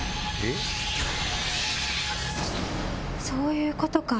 そういうことか！